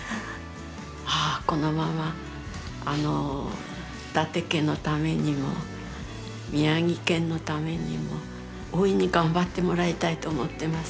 ああこのまま伊達家のためにも宮城県のためにも大いに頑張ってもらいたいと思ってます。